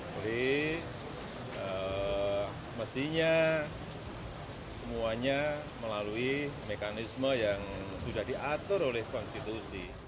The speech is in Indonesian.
jadi mestinya semuanya melalui mekanisme yang sudah diatur oleh konstitusi